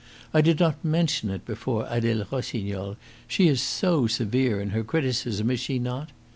I did not mention it before Adele Rossignol; she is so severe in her criticism, is she not?